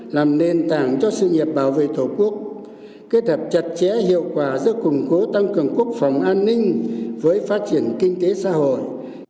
làm nền tảng cho sự nghiệp bảo vệ thổ quốc kết hợp chặt chẽ hiệu quả giữa củng cố tăng cường quốc phòng an ninh với phát triển kinh tế xã hội